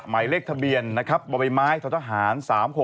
หมายเลขทะเบียนนะครับบะไบไม้ทหาร